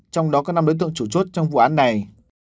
trong đó có năm đối tượng chủ chốt trong vụ án này